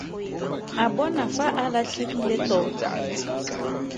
A bona fa a latlhegile tota.